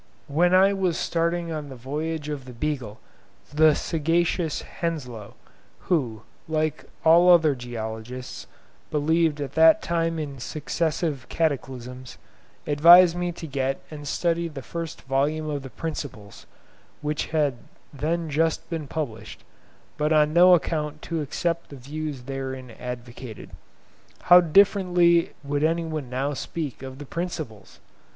When [I was] starting on the voyage of the "Beagle", the sagacious Henslow, who, like all other geologists, believed at that time in successive cataclysms, advised me to get and study the first volume of the 'Principles,' which had then just been published, but on no account to accept the views therein advocated. How differently would anyone now speak of the 'Principles'!